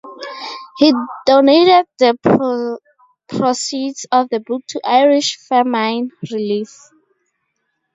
He donated the proceeds of the book to Irish famine relief.